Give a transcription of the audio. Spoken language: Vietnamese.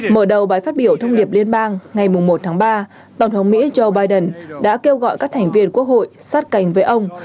mở đầu bài phát biểu thông điệp liên bang ngày một tháng ba tổng thống mỹ joe biden đã kêu gọi các thành viên quốc hội sát cánh với ông